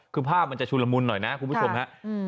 คือภาพมันจะชุนละมุนหน่อยนะคุณผู้ชมฮะ